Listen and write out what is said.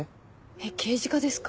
えっ刑事課ですか？